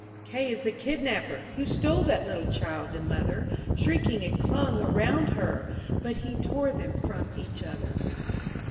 K is the Kidnapper, who stole That little child and mother— Shrieking, it clung around her, but He tore them from each other.